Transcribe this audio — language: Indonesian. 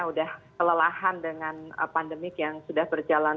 sudah kelelahan dengan pandemik yang sudah berjalan